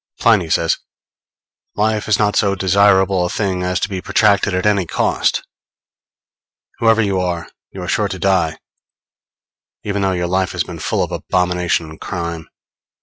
Pliny says: _Life is not so desirable a thing as to be protracted at any cost. Whoever you are, you are sure to die, even though your life has been full of abomination and crime.